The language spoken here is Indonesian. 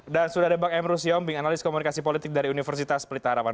dan sudah ada bang emru siong analis komunikasi politik dari universitas pelitaraman